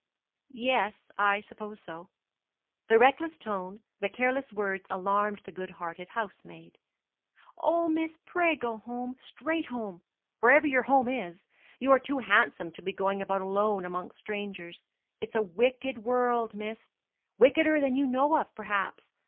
'Yes; I suppose so.' The reckless tone, the careless words alarmed the good hearted housemaid. 'Oh, miss, pray go home, straight home wherever your home is. You are too handsome to be going about alone among strangers. It's a wicked world, miss wickeder than you know of, perhaps.